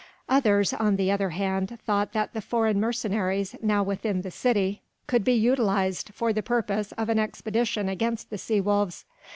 Others on the other hand thought that the foreign mercenaries now within the city could be utilised for the purpose of an expedition against the sea wolves.